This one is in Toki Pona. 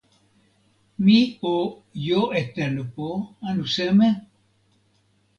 mi o jo e tenpo, anu seme.